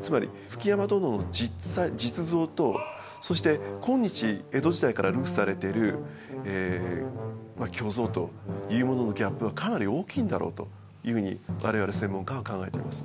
つまり築山殿の実像とそして今日江戸時代から流布されてるまあ虚像というもののギャップはかなり大きいんだろうというふうに我々専門家は考えています。